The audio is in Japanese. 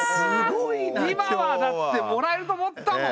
今はだってもらえると思ったもん。